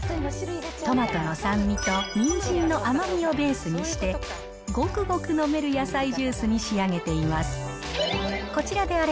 トマトの酸味とにんじんの甘みをベースにして、ごくごく飲める野菜ジュースに仕上げています。